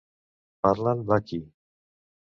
Parlen vakhi.